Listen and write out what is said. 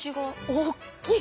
おっきい。